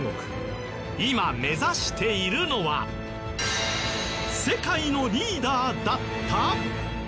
今目指しているのは世界のリーダーだった！？